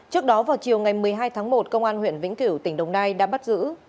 trước đó vào chiều ngày một mươi hai tháng một công an huyện vĩnh cửu tỉnh đồng nai đã bắt giữ